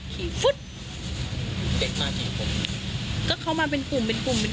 ฟุ๊ดเด็กมากี่คนก็เข้ามาเป็นกลุ่มเป็นกลุ่มเป็น